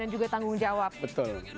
dan juga tanggung jawab betul